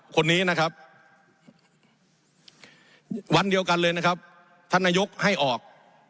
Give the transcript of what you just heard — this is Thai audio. คนนี้นะครับวันเดียวกันเลยนะครับท่านนายกให้ออก